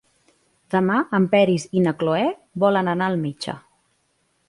Demà en Peris i na Cloè volen anar al metge.